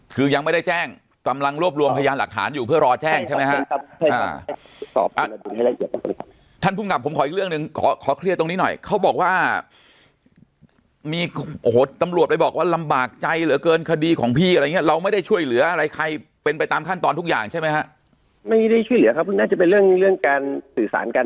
คือยังไม่ได้แจ้งกำลังรวบรวมพยานหลักฐานอยู่เพื่อรอแจ้งใช่ไหมฮะท่านผู้กลับผมขออีกเรื่องหนึ่งขอขอเครียดตรงนี้หน่อยเขาบอกว่ามีโอ้โหตำลวดไปบอกว่าลำบากใจเหลือเกินคดีของพี่อะไรเงี้ยเราไม่ได้ช่วยเหลืออะไรใครเป็นไปตามขั้นตอนทุกอย่างใช่ไหมฮะไม่ได้ช่วยเหลือครับน่าจะเป็นเรื่องเรื่องการสื่อสาร